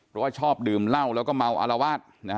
เพราะว่าชอบดื่มเหล้าแล้วก็เมาอารวาส